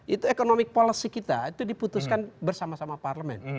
itu ekonomi policy kita itu diputuskan bersama sama parlement